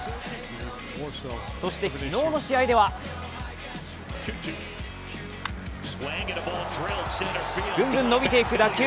そして昨日の試合ではグングン伸びていく打球。